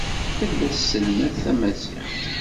Tella tesselmad tamaziɣt.